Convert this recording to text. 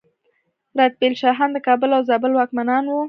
رتبیل شاهان د کابل او زابل واکمنان وو